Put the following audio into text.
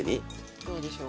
どうでしょうか。